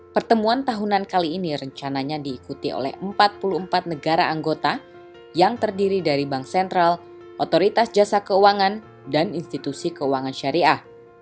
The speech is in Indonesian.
pertemuan tahunan kali ini rencananya diikuti oleh empat puluh empat negara anggota yang terdiri dari bank sentral otoritas jasa keuangan dan institusi keuangan syariah